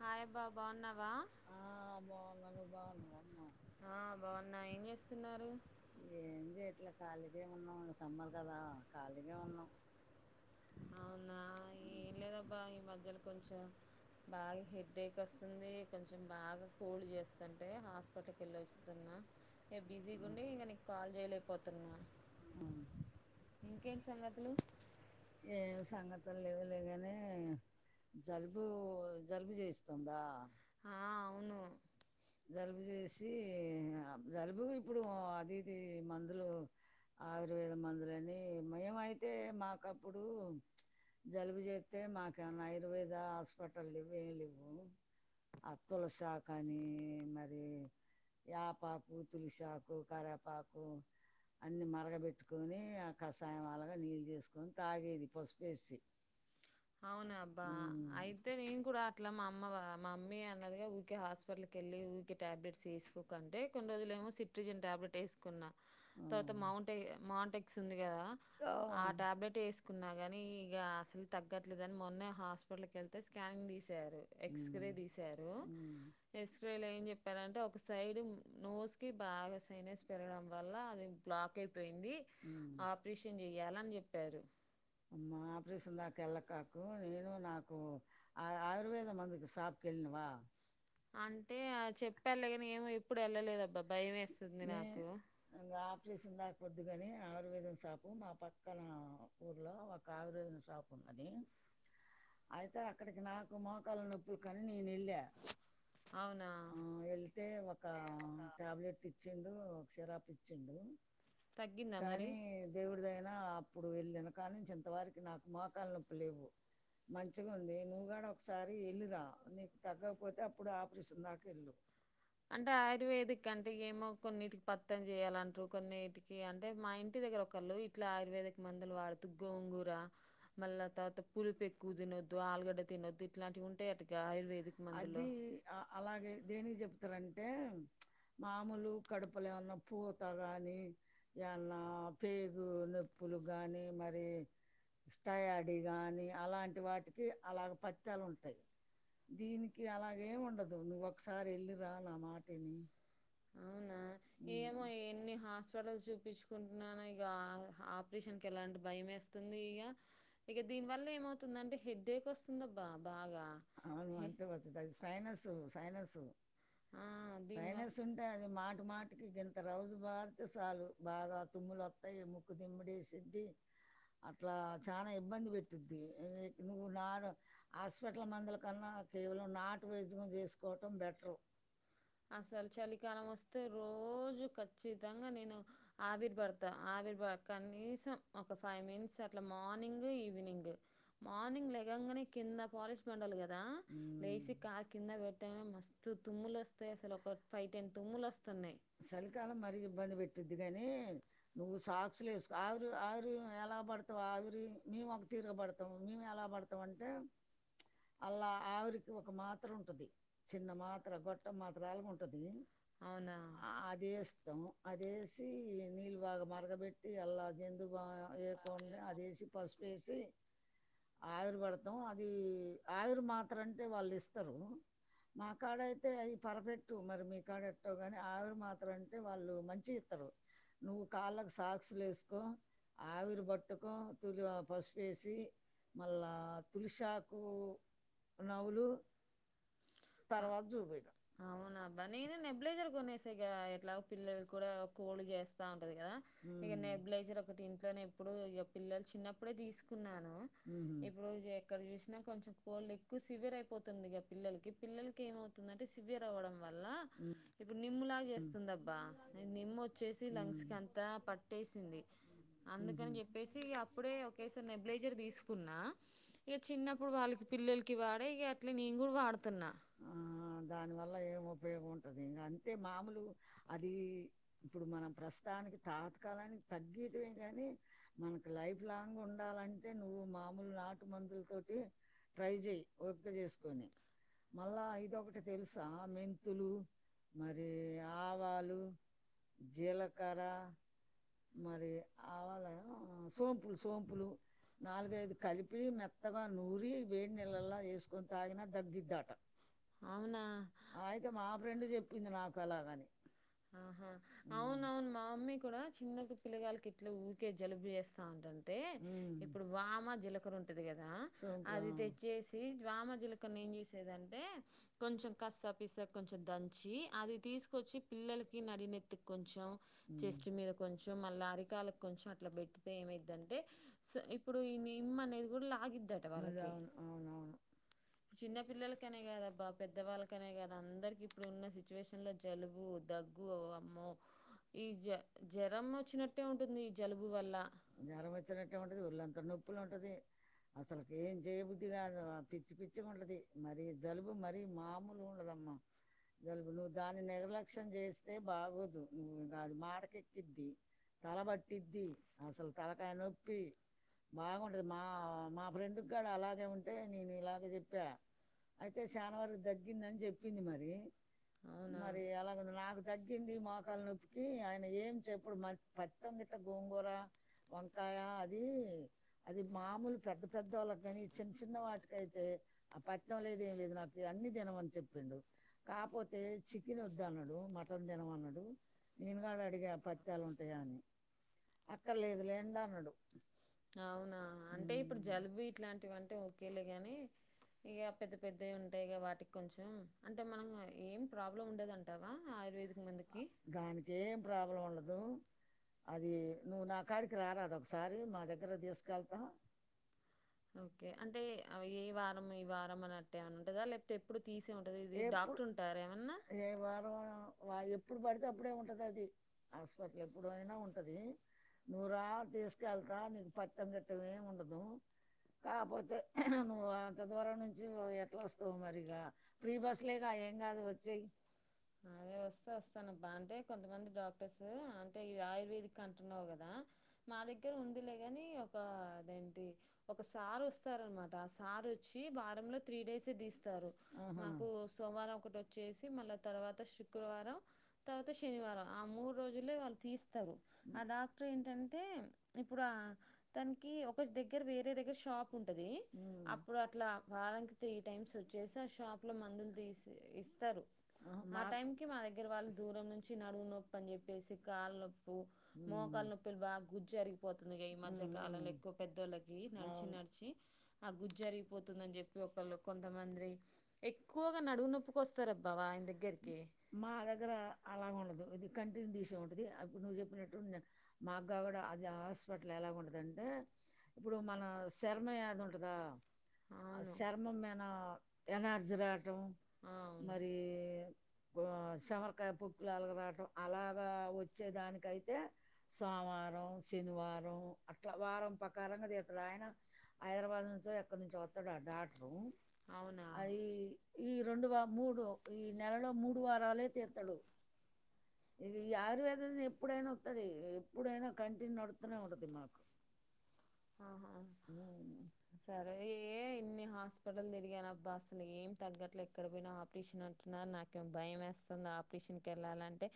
హయబ్బా బాగున్నావా ఆ బాగున్నా ఏం చేస్తున్నారు ఇట్లా ఖాళీగాే ఉన్నాం సమ్మలు కదా ఖాళీగా ఉన్నాం అవునా ఏం లేదబ్బా ఈ మధ్యలో కొంచెం బాగా హెడ్ేక్ వస్తుంది కొంచెం బాగా కూల్ చేస్తుంటే హాస్పిటల్కి వెళ్ళి వస్తున్నా ఇక బిజీగా ఉండి ఇంక నీ కాల్ చేయలే పోతున్నా ఆ ఇంకేంటి సంగతులు ఏ సంగతులు లేవలేగానే జలుబు జలుబు చేయిస్తుందా జలుబు చేసి జలుబు ఇప్పుడు అదిది మందులు ఆయుర్వేద మందులుని మేమ అయితే మాక అప్పుడు జలుబు చేస్తే మాక ఆయుర్వేద హాస్పిటల్ ఇవేలి ఇవు అత్తులషాఖ అని మరి ఆపాకు తులిసాకు కరవేపాకు అన్నిీ మరగబెట్టుకొని ఆ కషాయం అలాగా నీళ్ళు చేసుకొని తాగేది పసుపేసి అయితే నేను కూడా అట్లా మా అమ్మ మా మమ్మీ అన్నదిగా ఊరికి హాస్పిటల్ కళ్ళ ఊరి ట్యాబ్లెట్స్ వేసుకోకుంటే కొన్ని రోజులు ఏమో సిట్రిజన్ టాబ్లెట్ వేసుకున్నా తర్వాత మాంట మాంట సుంది కదా ఆ టాబ్లెట్ వేసుకున్నా గాని కాని ఇక అసలు తగ్గట్లేదుని మొన్న హాస్పిటల్కి వెళ్తే స్కానింగ్ తీసేారు ఎక్స్రే తీశారు ఎక్స్రే లో ఏం చెప్పారంటే ఒక సైడ్ నోస్ కి బాగా సైనస్ పెరగడం ల్ాదిం బ్లాక్ అయిపోయింది ఆపరేషన్ చెయాలని చెప్పారు అంటే చెప్పాళగాని ఏమ ఇప్పుడు వెళ్ళలేదబ్బా భయం వేస్తుంది నాకు దాక పద్దుగాని ఆయుర్వేదం షపు మా పక్కన కావరు సాపు అదే అయితే అక్కడికి నాకు మోకాల నొప్పులు కాని నేను వెళ్ళా వెళ్తే ఒక టాబ్లెట్ ఇచ్చిండు, ఒక సిరాప్ ఇచ్చిండు. కానీ దేవుడిదైనా అప్పుడు వెళ్ళిన కానించి ఇంత వారికి నాకు మోకాల నొప్పి లేవు మంచిగా ఉంది నువ్వుగా ఒకసారి వెళ్ళిరా, నీకు తగ్గకపోతే అప్పుడు ఆపరేషన్ దాక వెల్ళు కొన్నిటికి పత్తం చెయాలంటారు, కొన్నిటికి అంటే మా ఇంటి దగ్గర ఒకళ్ళు ఇట్లా ఆయుర్వేదిక మందులు వాడుతూ గోంగూర, మళ్ళా తర్వాత పులిపు ఎక్ కూ తినొద్దు ఆలుగడ్డ తినొద్దు ఇలాంటివింటాయ అటుగా అది అలాగే దేని చెప్తారంటే, మామూలు కడుపులు ఏమన్నా పూత కానీ, ఏమన్నా పేగు నొప్పులు కానీ, మరి స్టయాడ కానీ, అలాంటి వాటికి అలాగ పచ్చ్యాలు ఉంటాయి దీనికి అలాగేం ఉండదు నువ్ ఒకసారి వెళ్ళిరా నా మాట విని అవునా ఏమో ఎన్ని హాస్పిటల్ చు పించుకుంటున్నా ఇక ఆపరేషన్ క ఎలాంటి భయం వేస్తుంది ఇక ఇక దీని వల్ల ఏమ ఏమవుతుందంటే అవును అంతే పతుంది అది సైనస్ సైనస్, సైనస్ ఉంటే అది మాట మాటికి గంత రోజు బారితే చాలు బాగా తుమ్ములు వస్తాయి, ముక్కు తిమ్మిడి వేసిద్ది అట్లా చాలా ఇబ్బంది పెట్టిద్ది అసలు చలికాలం వస్తు అే రోజు ఖచ్చితంగా నేను ఆవిర్భవతం ఆవిర్భావ కనీసం ఒక ఫైవ్ మినిట్స్ అట్లా మార్నింగ్ ఈవినింగ్ మార్నింగ్లే ఏగంగానే కింద పాలిష్ పండాలి కదా, లేచి కా కింద పెట్టా మస్తు తుమ్ములు వస్తాయి అసలు, ఒక ఫైవ్ టెన్ తుమ్ములు వస్తున్నాయి. మీవ ఎలా బడుత అంటే అలా ఆవిరికి ఒక మాత్ర ఉంటుంది, చిన్న మాత్ర గొట్ట మాత్ర అల ఉంటుంది, అది వేస్తాం అది వేసి నీళ్ళు బాగా మరగబెట్టి అల్లా జందు బా వేయకుండా అది వేసి పసుపేసి ఆవిరిబడతాం, అది ఆవిరి మాత్ర అంటే వాళ్ళు ఇస్తారు, మా కాడ అయితే అది పర్ఫెక్ట్ మరి మీ కాడ ఎట్టావు కానీ, ఆవిరి మాత్ర అంటే వాళ్ళు మంచి ఇస్తారు, నువ్వు కాళ్ళకు సాక్స్లు వేసుకో ఆవిరి పట్టుకో తులి పసుప వేసి అవునాబ్బా నేను నెబ్లజర్ కొనేస ఎట్లా పిల్లలు కూడా కోలు చేస్తా ఉ కదా ఇక నె బలైజర్ ఒకటి ఇంట్లో ఇప్పుడు ఇ పిల్లలు చిన్నప్పుడే తీసుకున్నాను ఇప్పుడు ఎక్కడ చూసినా కొంచెం కోలి సివిర్ అయిపోతుందిగా పిల్లలకి పిల్లకి ఏమవుతుందంట సివియర్ అవ్వడం వర్ల ఇప్పుడు నిమ్ములాగా చేస్తుంది అబ్బా నిమ్ము వచ్చేసి లంగ్స్కి అంతా పట్టేసింది అందుకని చెప్పేసి అప్పుడే ఒకేసారి నెబిలైజర్ తీసుకు నా ఈ చిన్నప్పుడు వాళ్ళకి పిల్లలకి వాడే ఇక అట్లా నేను కూడా వాడుతున్నా ఏం ఉపయోగ ఉంటంది ఇంకా అంటే మామూలు అది ఇప్పుడు మనం ప్రస్తుతానికి తాతకాలానికి తగ్గటమే కానీ మనకు లైఫ్ లాంగ్ ఉండాలంటే నువ్వు మామూలు నాటు మందులతో ట్రై చేయి పిక చేసుకొని మళ్ళా ఇదొకటి తెలుసా మెంతులు మరి ఆవాలు జిల కర మరి ఆవాళ సోంపులు సోంపులు నాలుగైదు కలిపి మెత్తగా నూరి వేడి నెలల్లో వేసుకొని తాగిన తగ్గిద్దట అయితే మా ఫ్రెండ్ చెప్పింది నాకు ఎలాగని మా అమ్మీ కూడా చిన్నప్పు పిల్లగాలకి ఇట్లా ఊకే జలుబు చేస్తా ఉంట అ ఇప్పుడు వా జలకర్ంటంది కదా అది తెచ్చేసి వామ జలకర్ చే లేదంటే కొంచెం కస్తాపిసా కొంచెం దంచి అది తీసుకొచ్చి పిల్లలకి నడినెత్తి కొంచెం చెస్ట్ మీద కొంచెం మళ్లారి కాలకు కొంచెం అట్లా పెట్టితే ఏమైదింటే స ఇప్పుడు ఈ ఇమ్మ అనేది కూడా లాగిద్దట వాళ్ళకి చిన్న పిల్లలకనే కాదబ్బా పెద్దవాళ్ళకనే కాదు అందరికి ఇప్పుడు ఉన్న సిచువే లో జలు జ్వరం వచ్చినట్టే ఉంటది వఊళ్ళంత నొప్పులు ఉంటది అసలుకి ఏం చేయబుద్ధి కాదు పిచ్చి పిచ్చి మతం ఉండది మరీ జలుబు మరీ మామూలు ఉండదమ్మా జలుబులు దానిని ఏగలేక క్షం చేస్తే బాగోదు కాదు మాటకెక్కిద్ది తలబట్టిద్ది అసలు తలకాయ నొప్పి బాగుంటది మా మా ఫ్రెండుగాడ అలాగే ఉంటే నేను ఇలాగ చెప్పా అయితే శానవరకి తగ్గిందని చెప్పింది మరి. మరి అలాగ నాకు తగ్గింది ఈ మోకాల నొప్పి ఆయన ఏం చెప్పడు పత్తం గిట్ట గోంగూర వంకాయ అది అది మామూలు పెద్ద పెద్దొళ్ళకి కాని చిన్న చిన్న వాటికయితే ఆ పత్తం లేదు ఏం లేదు నాకు అన్ని తినమని చెప్పిండు కాపోతే ఏ చికెన్ వద్దనుడు నువ్వు మటన్ తినమన్నాడు నేనుగాడ అడిగ పత్యాలు ఉంటాయా అని అక్కలేదులే అంటన్నాడు ఉ ఇగ పెద్ద పెద్దవి ఉంటాయిగా వాటికి కొంచెం అంటే మనం ఏం ప్రాబ్లం ఉండదంటావా ఆయుర్వేదిక్ దానినికిేం ప్రాబ్లం ఉండదు అది నువ్వు నా కాడికి రార అదొ ఒకసారి మా దగ్గర తీసుకెళ్తా అంటే ఏ వారం ఈ వారం అనట్టే అని ఉంటదా లేకపోతే ఎప్పుడు తీసే ఉంటుది ఇది డాక్టర్ ఉంట ఏ వారం ఎప్పుడు పడితే అప్పుడే ఉంటది అది ఆసుపత్రి ఎప్పుడయినా ఉంటది నువ్వు రా తీసుకెళ్తా నీకు పత్తం గట్ట ఏమి ఉండదు కాకపోతే నువ్వు అంత దూరం నుంచి ఎట్లా వస్తావు మరి ఇగ ప్రీ బస్లే కాయడి అదే వస్త వస్త ానబ్బా అంటే కొంతమంది డాక్టర్స్ అంటే ఆయుర్వేదిక్ అంటున్నావు కదా మా దగ్గర ఉందిలే ని ఒక అదేంటి ఒక సార్ వస్తారు అన్న ఆ సారొచ్చి వారంలో త్రీ డేసే తీస్తారు నాకు సోమవారం ఒకటి వచ్చేసి మళ్ళీ తర్వాత శుక్రవారం తర్వాత శనివారం ఆ మూడు రోజులే వాళ్ళు తీస్తారు ఆ డాక్టర్ ఏంటంటే ఇప్పుడా తనకి ఒక దగ్గర వేరే దగ్గర షాపు ది అప్పుడు అట్లా వారనికి త్రీ టైమ్స్ వచ్చేసి ఆ షాప్ లో మందులు తీసి ఇస్తారు ఆ టైం కి మా దగ్గర వాళ్ళు దూరం నుంచి నడువు నొప్పుి అని చెప్పేసి కాళ్లు నొప్పుి మోకాలు నొప్పిలు బాగా గుజ్జ జరిగిపోతుంది ఈ మధ్యకాలంలో ఎక్కువ పెద్దోళ్ళకి నచి నచీ. ఆ గుజ్జరిగిపోతుందని చెప్పి ఒకళ్ళు కొంతమంది ఎక్కువగా నడుగున మా దగ్గర అలాగ ఉండదు ఇది కంటిన్యూ తీసే ఉంటది ఇప్పుడు నువ్వు చెప్పినట్టు మా అగగా కూడా అది హాస్పిటల్ ఎలాగ ఉంటదింటే ఇప్పుడు మన శర్మ యాది ఉంటదా ఆ శర్మం మేనా ఎనార్జీ రావటం మరి సమరకాయ పుకులులు రావటం అలాగా వచ్చే దానికయితే సోమవారం శనివారం అట్లా వారం ప్రకారం అది ఇతడ ఆయన హైదరాబాద్ నుంచో ఎక్కడ నుంచో వత్తాడు ఆ డాటరు అది ఈ రెండు రెడు వ మూడు ఈ నెలలో మూడు వారాలే తీతాడు ఈ ఆయుర్వేదం ఎప్పుడైనా వస్తది ఎప్పుడైనా కంటిన్యూ అడుతూనే ఉంటది మాకు ఆహా సరే ఏ నే హాస్పిటల్ తిరిగానబ్బా అసలు ఏం తగ్గట్ల ఎక్కడ పోయినా ఆపరేషన్ అంటున్నారు నాకేం భయం వేస్తుంది ఆపరేషన్ కి వెళ్ళాలంటే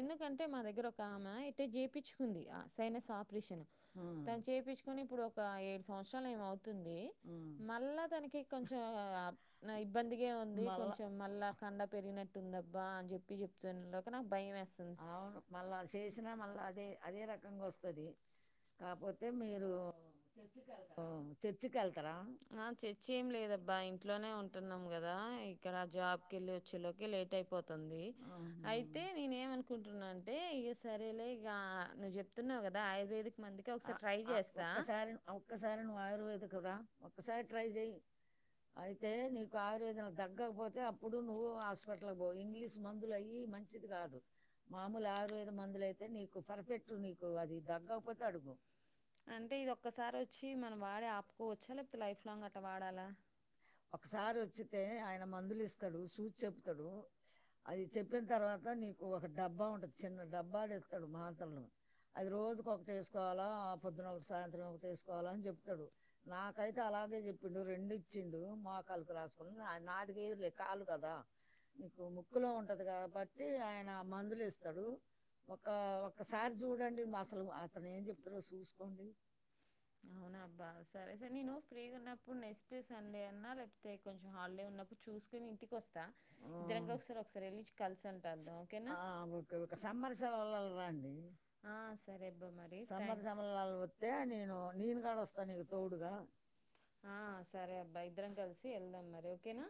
ఎందుకంటే మా దగ్గర ఒక ఆమె టే చేపించుకుంది ఆ సైనస్ ఆపరేషన్ తను చేపించు ఇప్పుడు ఒక ఏడు సంవత్సరాలు ఏమవుతుంది మళ్ళా తనకి కొంచెం ఇబ్బందిగా ఉంది కొంచెం మళ్ళా కండ పెరిగి ట్టుందబ్ అని చెప్పి చెప్తతున్న నాకు భయం వేస్త అవును మళ్ళా చేసినా మళ్ళా అదే అదే రకంగా వస్తుది కాకపోతే మీరు ఓ ఓ చర్చ్ కి వెల్తార ఆ చర్చేమి లేదబ్బా ఇంట్లోనే ఉంటున్నాం కదా ఇ కార జబ్ కచ్చ లోక ఏ ట ప ంది అయితే నేను ఏమనుకుంటున్నా అంటే సరేలే ఇక నువ్వు చెప్తున్నావు కదా ఆయుర్వేదిక్ ఆ ఒక్కసారి ఒక్కసారి నువ్వు ఆయుర్వేదిక్ రా ఒక్కసారి ట్రై చెయి అయితే నీకు ఆయుర్వేదం తగ్గకపోతే అప్పుడు నువ్వు హాస్పిటల్కి పో ఇంగ్లీష్ మందులు అయ్యి మంచిది కాదు మామూలు ఆయుర్వేద మందులు అయితే నీకు పర్ఫెక్ట్ నీకు అది తగ్గకపోతే అంటే ఇది ఒక్కసారి వచ్చి మనవాడే ఆకోచ్చ లేతే లైఫ్ లాంగ్ అట్టలా వాడాలా ఒకసారి వచ్చితే ఆయన మందులు ఇస్తాడు సూచ చెప్తాడు అది చెప్పిన తర్వాత నీకు ఒక డబ్బా ఉంటది చిన్న డబ్బా ఇస్తాడు మాంతలను అది రోజుక ఒకటి వేసుకోవాలా ఆ పొద్దున ఒకటి సాయంత్రం ఒకటి వేసుకోవాలా అని చెప్తాడు నాకైతే అలాగే చెప్పిండు రెండు ఇచ్చిండు మోహకాలుకు రాసుకున్నా నాదిక ఏది లే కాలు కదా నీకు ముక్కులో ఉంటంది కాబట్టి ఆయన మందులు ఇస్తాడు ఒ ఒక్కసారి చూడండి అసలు అతను ఏం చెప్తాడో చూసుకోండి సరే సార్ నేను ఫ్రీగా ఉన్నప్పుడు నెక్స్ట్ సండే అన్నా లేకపోతే కొంచెం హాలిడే ఉన్నప్పుడు చూసుకుొని ఇంటికి వస్తా ఇద్దరంగా ఒకసారి ఒకసారి వెళ్లి కలిసి ఉంటుద్దా ఓకేనా సరే అబ్బా మరి థ్యాంక్ యూ ఆ సరే అబ్బా ఇద్దరం కలిసి వెళ్దాం మరి ఓకేనా